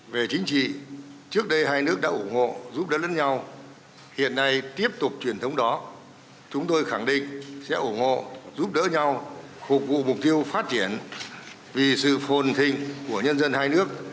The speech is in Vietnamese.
về chính trị trước đây hai nước đã ủng hộ giúp đỡ lẫn nhau hiện nay tiếp tục truyền thống đó chúng tôi khẳng định sẽ ủng hộ giúp đỡ nhau phục vụ mục tiêu phát triển vì sự phồn thịnh của nhân dân hai nước